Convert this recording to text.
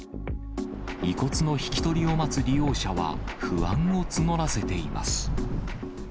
遺骨の引き取りを待つ利用者は、不安を募らせています。